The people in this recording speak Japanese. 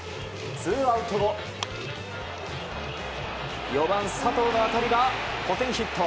ツーアウト後４番、佐藤の当たりがポテンヒット。